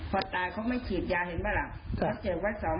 ถ้าตายจริงปั๊มมันไม่ขึ้นหลบหัวใจอ่ะ